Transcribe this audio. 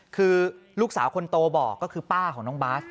คือลูกสาวคนโตบอกก็คือป้าของน้องบาส